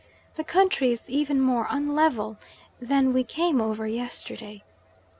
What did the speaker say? The country is even more unlevel than that we came over yesterday.